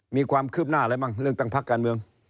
มีความคืบหน้าอะไรบ้างเรื่องตั้งพักการเมือง